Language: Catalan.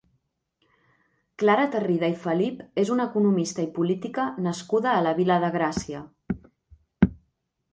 Clara Tarrida i Felip és una economista i política nascuda a la Vila de Gràcia.